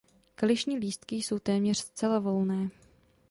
Kališní lístky jsou téměř zcela volné.